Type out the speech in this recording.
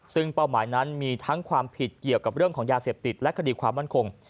ซึ่งเป้าหมายนั้นมีทั้งความผิดเกี่ยวกับเรื่องของยาเสพติดและคดีความมั่นคง